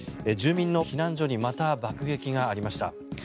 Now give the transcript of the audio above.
住民の避難所にまた爆撃がありました。